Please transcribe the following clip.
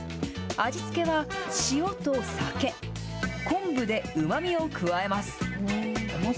味付けは塩と酒、昆布でうまみを加えます。